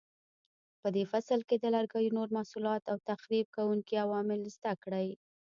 په دې فصل کې د لرګیو نور محصولات او تخریب کوونکي عوامل زده کړئ.